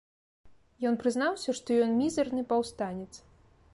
Ён прызнаўся, што ён мізэрны паўстанец.